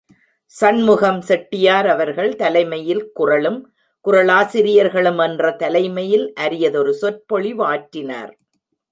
சண்முகம் செட்டியார் அவர்கள் தலைமை யில் குறளும் குறளாசிரியர்களும் என்ற தலைமையில் அரியதொரு சொற்பொழிவாற்றினார்.